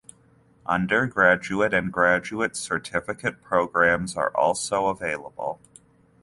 Undergraduate and graduate certificate programs are also available.